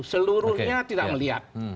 seluruhnya tidak melihat